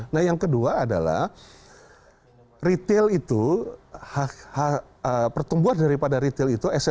nah yang kedua adalah retail itu pertumbuhan daripada retail itu